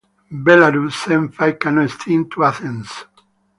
Belarus sent five canoe teams to Athens.